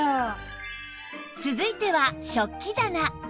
続いては食器棚